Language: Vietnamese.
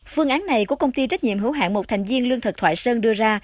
phương án này của công ty trách nhiệm hữu hạng một thành viên lương thực thoại sơn đưa ra